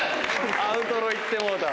アウトロいってもうたわ。